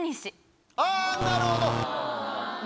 あぁなるほど。